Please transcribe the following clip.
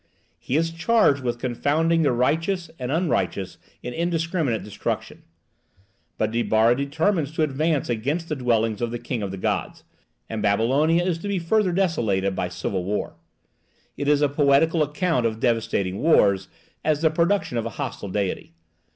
He is charged with confounding the righteous and unrighteous in indiscriminate destruction. But Dibbarra determines to advance against the dwelling of the king of the gods, and Babylonia is to be further desolated by civil war. It is a poetical account of devastating wars as the production of a hostile diety.